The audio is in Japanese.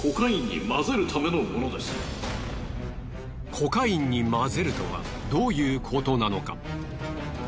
コカインに混ぜるとはどういうことなのか？